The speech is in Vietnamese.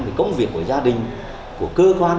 về công việc của gia đình của cơ quan